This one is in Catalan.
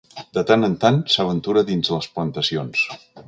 De tant en tant s'aventura dins les plantacions.